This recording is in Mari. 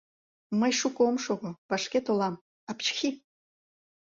Мый шуко ом шого, вашке толам... апчхи...